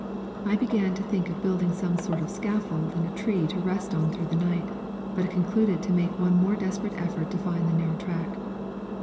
I began to think of building some sort of a scaffold in a tree to rest on through the night, but concluded to make one more desperate effort to find the narrow track.